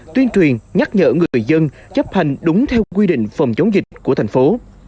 tuyên truyền nhắc nhở người dân chấp hành đúng theo quy định phòng chống dịch của thành phố